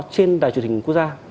trên đài truyền hình quốc gia